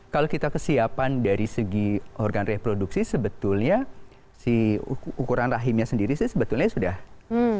kalau kita kesiapan dari segi organ reproduksi sebetulnya si ukuran rahimnya sendiri sih sebetulnya sudah berubah